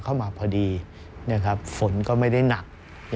เข้ามาพอดีนะครับ